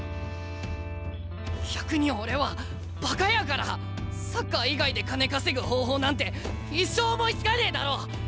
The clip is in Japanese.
逆に俺はバカやからサッカー以外で金稼ぐ方法なんて一生思いつかねえだろう。